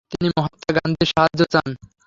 তিনি মহাত্মা গান্ধীর সাহায্য চান।